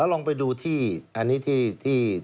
ลองไปดูที่อันนี้ที่